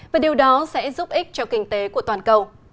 và điều đó sẽ giúp ích cho kinh tế của toàn cầu